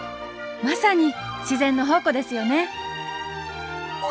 まさに自然の宝庫ですよね。